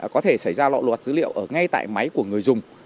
có thể xảy ra lộ lọt dữ liệu ở ngay tại máy của người dùng